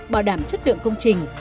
bảo đảm chất lượng công trình